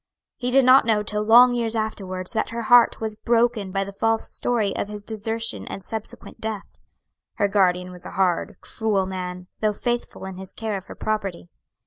He did not know till long years afterwards that her heart was broken by the false story of his desertion and subsequent death. Her guardian was a hard, cruel man, though faithful in his care of her property.